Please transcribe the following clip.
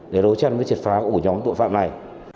để đối chân với triệt phá của nhóm tội phạm này